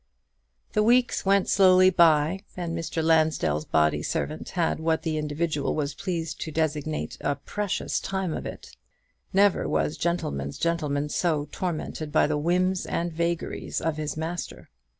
The weeks went slowly by, and Mr. Lansdell's body servant had what that individual was pleased to designate "a precious time of it." Never was gentleman's gentleman so tormented by the whims and vagaries of his master.